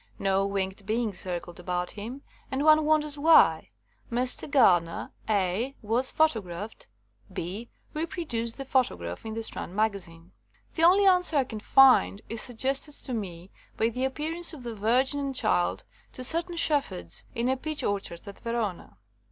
No winged beings circled about him, and one wonders why Mr. Gardner (a) was photographed, (h) reproduced the photo graph in the Strand Magazine. '' The only answer I can find is suggested to me by the appearance of the Virgin and Child to certain shepherds in a peach or chard at Verona.